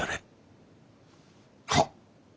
はっ。